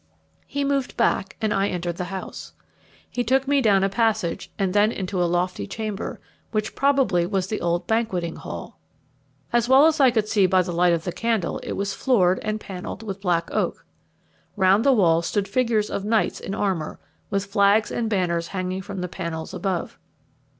He moved back and I entered the house. He took me down a passage, and then into a lofty chamber, which probably was the old banqueting hall. As well as I could see by the light of the candle, it was floored, and panelled with black oak. Round the walls stood figures of knights in armour, with flags and banners hanging from the panels above.